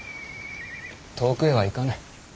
遠くへは行かぬ。